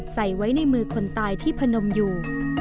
ใส่ไว้ในมือคนตายที่พนมอยู่